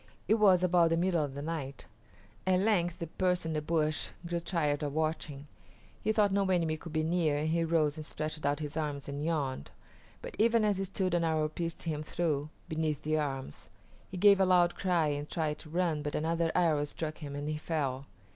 It was about the middle of the night. At length the person in the bush grew tired of watching; he thought no enemy could be near and he rose and stretched out his arms and yawned, but even as he stood an arrow pierced him through, beneath the arms. He gave a loud cry and tried to run, but another arrow struck him, and he fell.